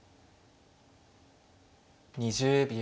２０秒。